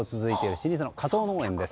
老舗の加藤農園です。